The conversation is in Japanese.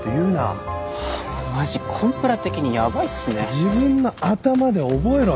自分の頭で覚えろよ。